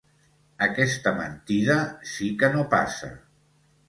Aquesta mentida sí que no passa.